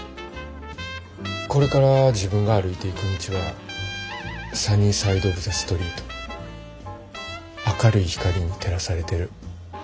これから自分が歩いていく道はサニー・サイド・オブ・ザ・ストリート明るい光に照らされてる。